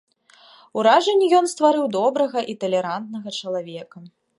Уражанне ён стварыў добрага і талерантнага чалавека.